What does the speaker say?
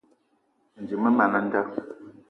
Mendim man a nda.